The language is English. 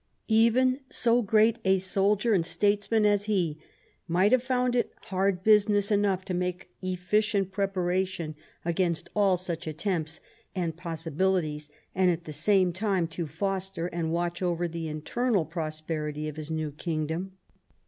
Even so great a soldier and statesman as he might have found it hard business enough to make eiBcient preparation against all such attempts and pos sibilities, and at the same time to foster and watch over the internal prosperity of his new kingdom.